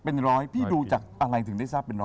เป็นร้อยพี่ดูจากอะไรถึงได้ทราบเป็นร้อย